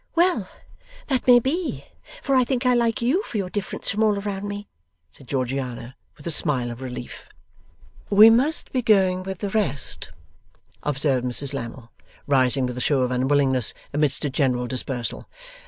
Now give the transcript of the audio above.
'Well! That may be. For I think I like you for your difference from all around me,' said Georgiana with a smile of relief. 'We must be going with the rest,' observed Mrs Lammle, rising with a show of unwillingness, amidst a general dispersal.